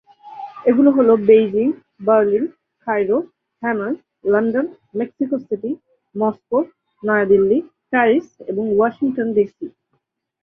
এগুলো হলো Beijing, Berlin, Cairo, Hanoi, London, Mexico City, Moscow, Naya Dilli, Paris এবং ওয়াশিংটন ডিসি।